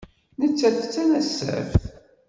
Nettat d tanasaft.